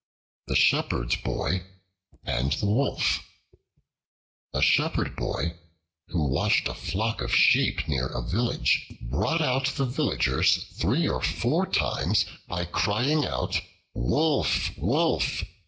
The Shepherd's Boy and the Wolf A SHEPHERD BOY, who watched a flock of sheep near a village, brought out the villagers three or four times by crying out, "Wolf! Wolf!"